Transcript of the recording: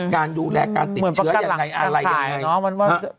การดูแลการติดเชื้อยังไงอะไรยังไง